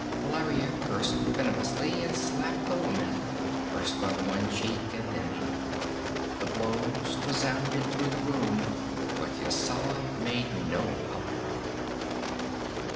Valeria cursed venomously and slapped the woman first on one cheek and then the other. The blows resounded through the room, but Yasala made no outcry.